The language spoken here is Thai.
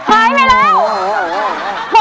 หายไปแล้ว